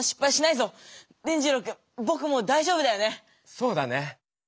そうだね。